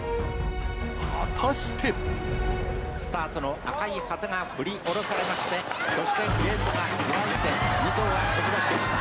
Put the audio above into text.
果たしてスタートの赤い旗が振り下ろされましてそしてゲートが開いて２頭が飛び出しました